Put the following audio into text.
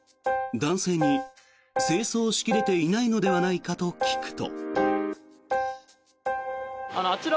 男性に清掃しきれていないのではないかと聞くと。